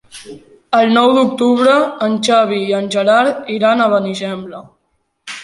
El nou d'octubre en Xavi i en Gerard iran a Benigembla.